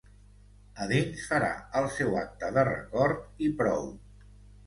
A dins farà el seu acte de record i prou.